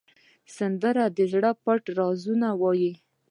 سندره د زړه پټ رازونه وایي